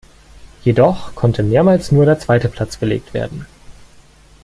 Jedoch konnte mehrmals nur der zweite Platz belegt werden.